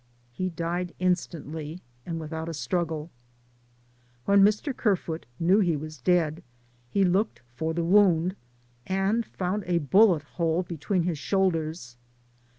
He died instantly and without a struggle. DAYS ON THE ROAD. 47 When Mr. Kerfoot knew he was dead, he looked for the wound and found a bullet hole between his shoulders.